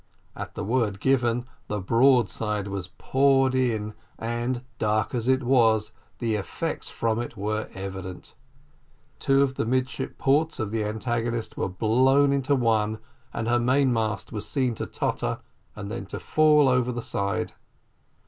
At the word given the broadside was poured in, and, dark as it was, the effects from it were evident. Two of the midship ports of the antagonist were blown into one, and her main mast was seen to totter, and then to fall over the side.